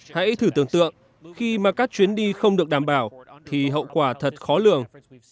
hãy thử tưởng tượng khi mà các chuyến đi không được đảm bảo thì hậu quả thật khó lường